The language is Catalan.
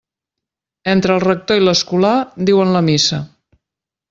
Entre el rector i l'escolà diuen la missa.